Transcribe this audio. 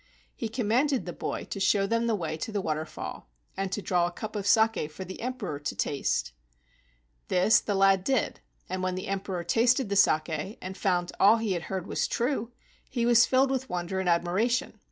He commanded the boy to show them the way to the waterfall and to draw a cup of saki for the Emperor to taste. This the lad did, and when the Emperor tasted the saki and found all he had heard was true, he was filled with wonder and admiration.